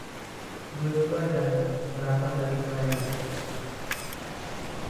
Joshua Johnson berasal dari Maryland.